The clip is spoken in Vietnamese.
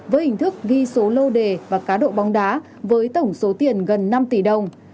với hình thức ghi số lô đề và cá độ bóng đá với tổng số tiền gần năm tỷ đồng